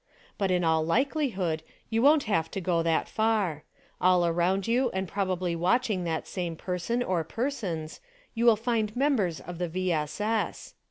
But in all likelihood, you won't have to go that far : All around you and probably watching that same person, or persons, you will find members of the V. S. S.